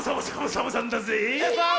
サボさん！